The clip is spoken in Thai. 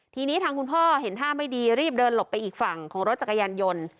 ทีนี้ทางคุณพ่อเห็นท่าไม่ดีรีบเดินหลบไปอีกฝั่งของรถจักรยานยนต์